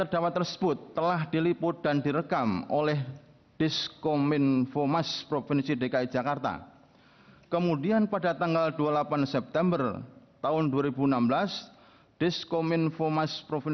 dalam membajakan putusan ini